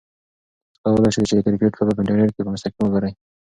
تاسو کولای شئ چې د کرکټ لوبه په انټرنیټ کې په مستقیم وګورئ.